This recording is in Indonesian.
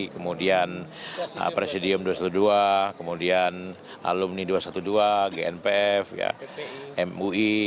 kemudian presidium dua ratus dua belas kemudian alumni dua ratus dua belas gnpf mui